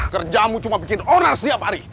kerjamu cuma buat menang setiap hari